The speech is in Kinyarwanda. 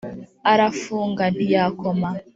Arafunga ntiyakoma